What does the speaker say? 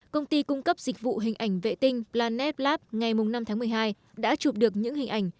công ty cung cấp dịch vụ hình ảnh vệ tinh planet lab ngày năm tháng một mươi hai đã chụp được những hình ảnh